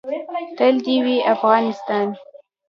تل دې وي افغانستان.